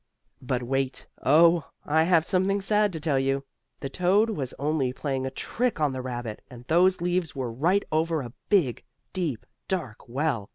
But wait. Oh! I have something sad to tell you. That toad was only playing a trick on the rabbit, and those leaves were right over a big, deep, dark well.